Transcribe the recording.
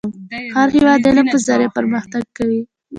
هر هیواد د علم په ذریعه پرمختګ کوي .